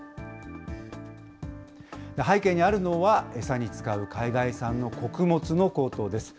背景にあるのは、餌に使う海外産の穀物の高騰です。